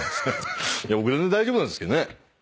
僕全然大丈夫なんですけどね。